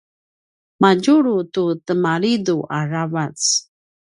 madjulu tu temalidu aravac